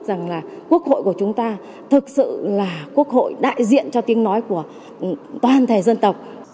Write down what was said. rằng là quốc hội của chúng ta thực sự là quốc hội đại diện cho tiếng nói của toàn thể dân tộc